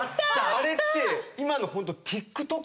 あれって今のホント。